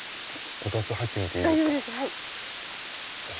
こたつ入ってみていいですか？